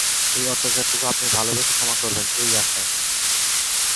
এই অত্যাচারটুকু আপনি ভালবেসে ক্ষমা করবেন, এই আশায়।